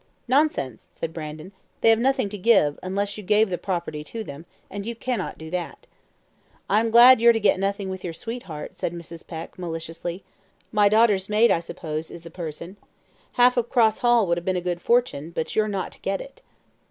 "Nonsense!" said Brandon; "they have nothing to give, unless you gave the property to them; and you cannot do that." "I'm glad you're to get nothing with your sweetheart," said Mrs. Peck, maliciously. "My daughter's maid, I suppose, is the person Half of Cross Hall would have been a good fortune, but you're not to get it."